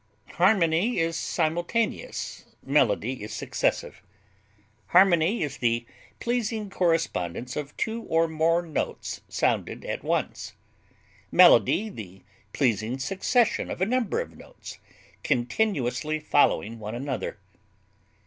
Harmony is simultaneous; melody is successive; harmony is the pleasing correspondence of two or more notes sounded at once, melody the pleasing succession of a number of notes continuously following one another.